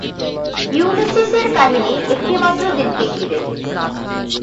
ইউলিসিস-এর কাহিনী একটিমাত্র দিনকে ঘিরে।